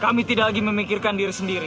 kami tidak lagi memikirkan diri sendiri